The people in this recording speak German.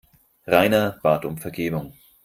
Rainer bat um Vergebung.